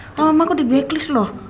kalau mama aku di backlist loh